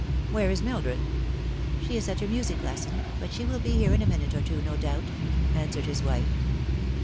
"Where is Mildred ?"" She is at her music lesson ; but she will be here in a minute or two, no doubt," answered his wife.